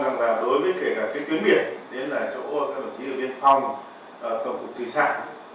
thì tôi mong rằng là đối với kể cả cái tuyến biển đến là chỗ các đồng chí ở bên phòng tổng cục thủy sản